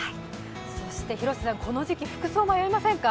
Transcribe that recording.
そして広瀬さん、この時期、服装迷いませんか？